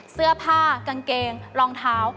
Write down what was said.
เสื้อผ้ากางเกงรองเท้า